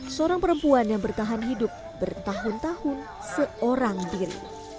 seorang perempuan yang bertahan hidup bertahun tahun seorang diri